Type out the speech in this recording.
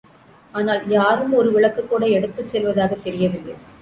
ஆனால், யாரும் ஒரு விளக்குக் கூட எடுத்துச் செல்வதாகத் தெரியவில்லை.